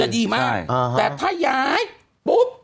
ดีมากแต่ถ้าย้ายปุ๊บ